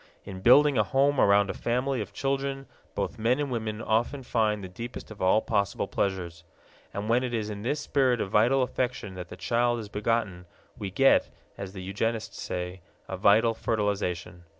In building a home around a family of children both men and women often find the deepest of all possible pleasures. And when it is in this spirit of vital affection that the child is begotten, we get, as the eugenists say, a vital fertilization.